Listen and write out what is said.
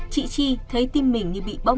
tri tri thấy tim mình như bị bóp